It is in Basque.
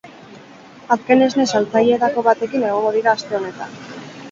Azken esne saltzaileetako batekin egongo dira aste honetan.